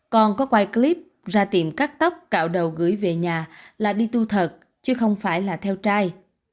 còn có quay clip ra tìm cắt tóc cạo đầu gửi về nhà là đi tu thật chứ không phải là theo trai